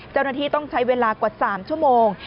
เจ้าหน้าที่ต้องใช้เวลากว่า๓ชั่วโมง